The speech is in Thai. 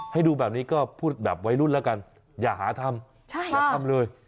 ให้ดูแบบนี้ก็พูดแบบวัยรุ่นแล้วกันอย่าหาทำอย่าทำเลย